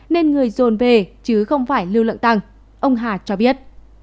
nên người dồn về chứ không phải lưu lượng tăng ông hà cho biết